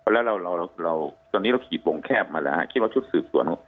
แล้วตอนนี้เราขีดวงแคบมาแล้วครับคิดว่าชุดสืบส่วน